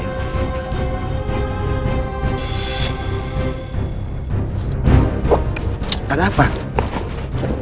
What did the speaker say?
aku juga sama seperti itu